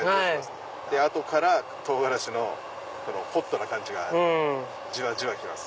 後から唐辛子のホットな感じがじわじわ来ます。